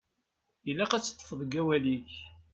Ilaq ad teṭṭfeḍ deg wawal-ik.